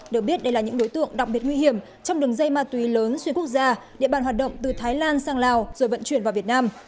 được biết đây là những đối tượng đặc biệt nguy hiểm trong đường dây ma túy lớn xuyên quốc gia địa bàn hoạt động từ thái lan sang lào rồi vận chuyển vào việt nam